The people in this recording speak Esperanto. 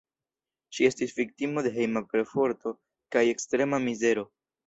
Ŝi estis viktimo de hejma perforto kaj ekstrema mizero.